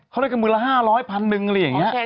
เขาเล่นกับมือละ๕๐๐พันหนึ่งอย่างนี้